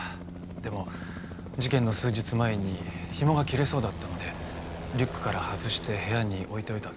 でも事件の数日前にひもが切れそうだったのでリュックから外して部屋に置いておいたんです。